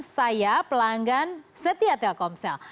saya pelanggan setia telkomsel